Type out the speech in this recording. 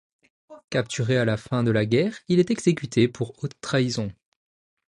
Capturé à la fin de la guerre, il est exécuté pour haute trahison.